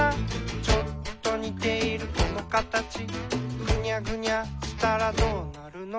「ちょっとにているこのカタチ」「ぐにゃぐにゃしたらどうなるの？」